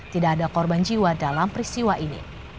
tidak ada korban jiwa dalam prisiun